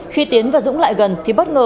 khi tiến và dũng lại gần thì bất ngờ